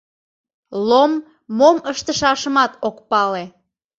Лом мом ыштышашымат ок пале.